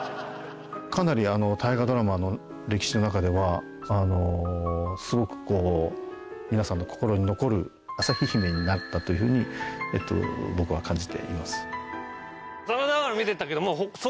かなり大河ドラマの歴史の中ではすごくこう皆さんの心に残る旭姫になったという風に僕は感じています。